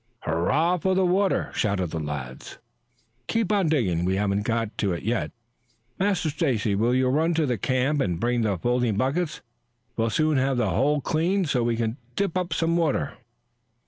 "Hurrah for the water!" shouted the lads. "Keep on digging. We haven't got it yet. Master Stacy, will you run to the camp and bring the folding buckets? We'll soon have the hole cleaned so we can dip up some water."